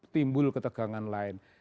timbul ketegangan lain